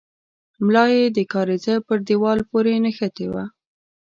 ملا يې د کارېزه پر دېوال پورې نښتې وه.